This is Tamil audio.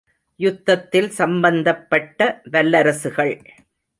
யுத்தத்தில் சம்பந்தப்பட்ட வல்லரசுகள்.